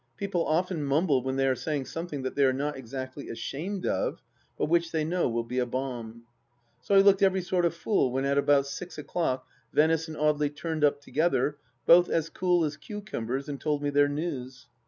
People often mumble when they are saying something that they are not exactly ashamed of, but which they know will be a bomb. So I looked every sort of fool when at about six o'clock Venice and Audely turned up together, both as cool as cucumbers, and told me their news.